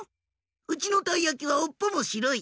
「うちのたいやきはおっぽもしろい。